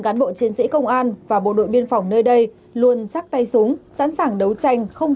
cán bộ chiến sĩ công an và bộ đội biên phòng nơi đây luôn chắc tay súng sẵn sàng đấu tranh không